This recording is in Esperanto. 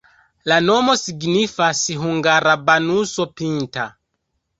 La nomo signifas hungara-banuso-pinta.